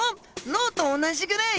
脳と同じぐらい？